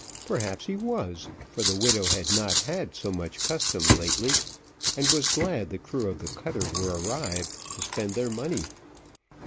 Perhaps he was, for the widow had not had so much custom lately, and was glad the crew of the cutter were arrived to spend their money.